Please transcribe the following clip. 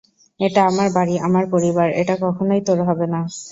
এটা আমার বাড়ি, আমার পরিবার, এটা কখনোই তোর হবে না।